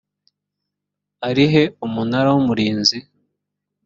ari he umunara w umurinzi